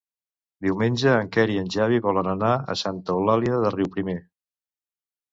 Diumenge en Quer i en Xavi volen anar a Santa Eulàlia de Riuprimer.